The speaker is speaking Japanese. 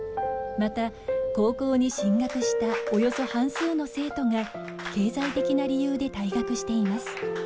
また高校に進学したおよそ半数の生徒が経済的な理由で退学しています。